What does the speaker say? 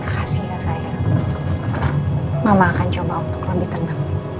kasih mohon saya mama akan coba untuk lebih tenang ya